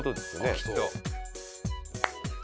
きっと。